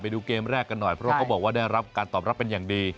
ไปดูเกมแรกกันหน่อยเพราะว่าได้รับตอบรับอย่างดี